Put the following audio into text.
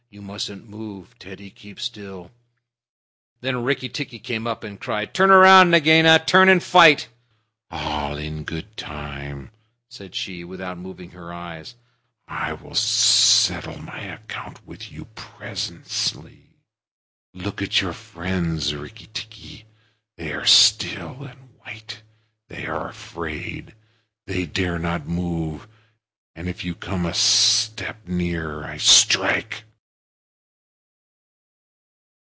You mustn't move. Teddy, keep still." Then Rikki tikki came up and cried, "Turn round, Nagaina. Turn and fight!" "All in good time," said she, without moving her eyes. "I will settle my account with you presently. Look at your friends, Rikki tikki. They are still and white. They are afraid. They dare not move, and if you come a step nearer I strike."